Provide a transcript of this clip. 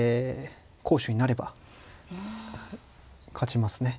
好手になれば勝ちますね。